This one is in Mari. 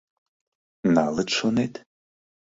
— Налыт, шонет?